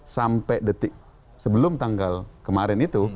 sampai detik sebelum tanggal kemarin itu